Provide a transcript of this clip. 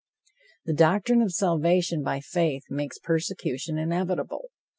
The doctrine of salvation by faith makes persecution inevitable.